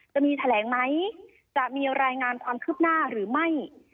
จะมีแถลงไหมจะมีรายงานความคืบหน้าหรือไม่